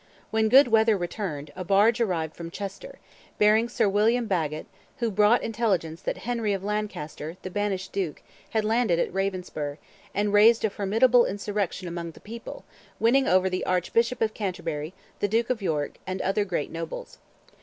When good weather returned, a barge arrived from Chester, bearing Sir William Bagot, who brought intelligence that Henry of Lancaster, the banished Duke, had landed at Ravenspur, and raised a formidable insurrection amongst the people, winning over the Archbishop of Canterbury, the Duke of York, and other great nobles.